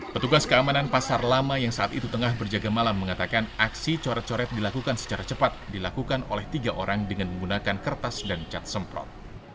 petugas keamanan pasar lama yang saat itu tengah berjaga malam mengatakan aksi coret coret dilakukan secara cepat dilakukan oleh tiga orang dengan menggunakan kertas dan cat semprot